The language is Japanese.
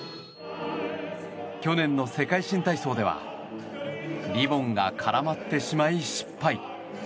去年の世界新体操ではリボンが絡まってしまい失敗。